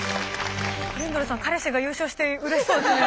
トリンドルさん彼氏が優勝してうれしそうですね。